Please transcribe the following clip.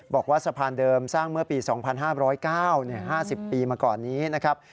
บอกว่าสะพานเดิมสร้างเมื่อปี๒๕๐๙๕๐ปีมาก่อนนี้นะครับ